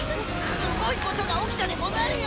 すごいことが起きたでござるよ！